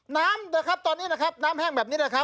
นะครับตอนนี้นะครับน้ำแห้งแบบนี้นะครับ